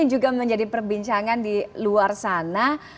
ini juga menjadi perbincangan di luar sana